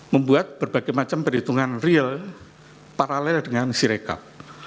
membuat berbagai macam perhitungan real paralel dengan sirekap